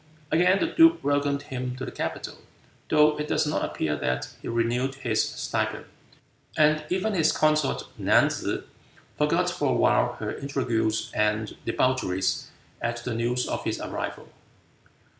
Again the duke welcomed him to the capital, though it does not appear that he renewed his stipend, and even his consort Nan tsze forgot for a while her intrigues and debaucheries at the news of his arrival.